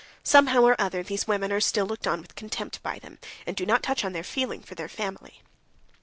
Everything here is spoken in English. Somehow or other these women are still looked on with contempt by them, and do not touch on their feeling for their family.